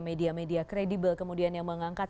media media kredibel kemudian yang mengangkat